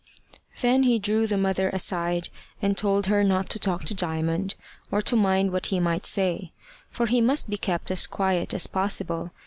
Then he drew the mother aside, and told her not to talk to Diamond, or to mind what he might say; for he must be kept as quiet as possible.